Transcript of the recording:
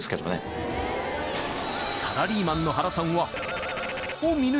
［サラリーマンの原さんは］